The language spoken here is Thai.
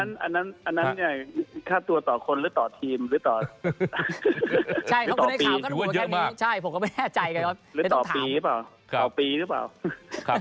อันนั้นเนี่ยฆ่าตัวต่อคนหรือต่อทีมหรือต่อปีหรือต่อปีหรือเปล่า